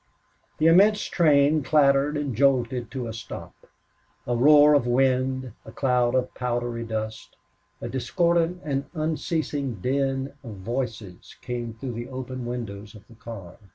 The immense train clattered and jolted to a stop. A roar of wind, a cloud of powdery dust, a discordant and unceasing din of voices, came through the open windows of the car.